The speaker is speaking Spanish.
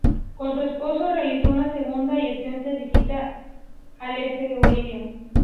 Con su esposo, realizó una segunda y extensa visita al este de Bolivia.